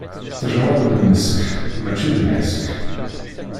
Ṭṭejṛa n lmesk, mačči d lḥesk.